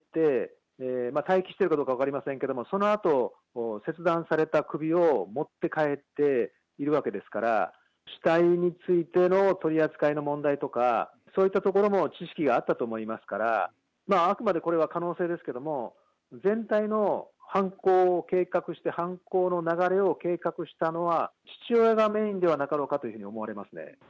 少なくともホテルまで娘を連れていって、待機してるかどうか分かりませんけれども、そのあと、切断された首を持って帰っているわけですから、死体についての取り扱いの問題とか、そういったところも知識があったと思いますから、あくまでこれは可能性ですけれども、全体の犯行を計画して、犯行の流れを計画したのは、父親がメインではなかろうかと思われますね。